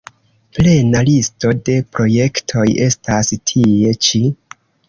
Plena listo de projektoj estas tie ĉi.